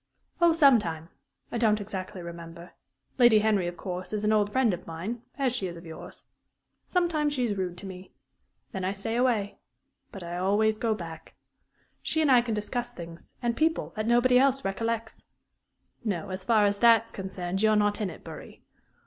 "Oh, some time. I don't exactly remember. Lady Henry, of course, is an old friend of mine, as she is of yours. Sometimes she is rude to me. Then I stay away. But I always go back. She and I can discuss things and people that nobody else recollects no, as far as that's concerned, you're not in it, Bury.